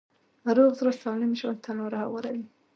روغ زړه سالم ژوند ته لاره هواروي.